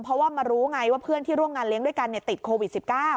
เพราะว่ามารู้ไงว่าเพื่อนที่ร่วมงานเลี้ยงด้วยกันติดโควิด๑๙